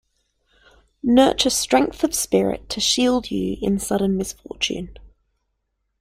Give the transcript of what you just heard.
Nurture strength of spirit to shield you in sudden misfortune.